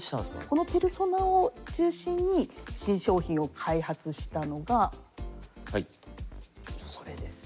このペルソナを中心に新商品を開発したのがこれです。